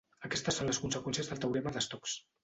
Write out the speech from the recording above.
Aquestes són les conseqüències del teorema de Stokes.